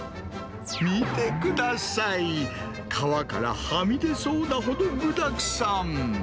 見てください、皮からはみ出そうなほど、具だくさん。